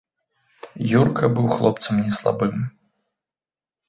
Юрка быў хлопцам не слабым.